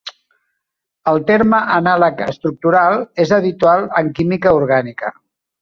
El terme "anàleg estructural" és habitual en química orgànica.